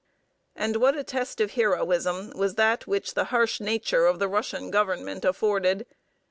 And what a test of heroism was that which the harsh nature of the Russian Government afforded!